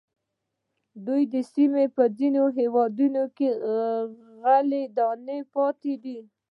د دې سیمې په ځینو هېوادونو کې غلې دانې پاتې دي.